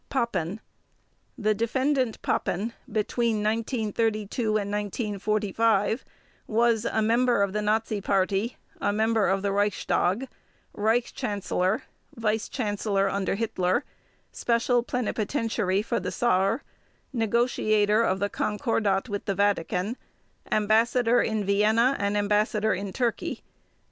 PAPEN: The Defendant PAPEN between 1932 and 1945 was: A member of the Nazi Party, a member of the Reichstag, Reich Chancellor, Vice Chancellor under Hitler, special Plenipotentiary for the Saar, negotiator of the Concordat with the Vatican, Ambassador in Vienna and Ambassador in Turkey.